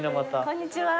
こんにちは。